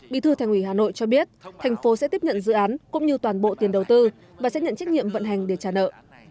bí thư thành ủy hà nội cho biết thành phố sẽ tiếp nhận dự án cũng như toàn bộ tiền đầu tư và sẽ nhận trách nhiệm vận hành để trả nợ